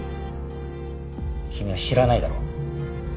君は知らないだろう。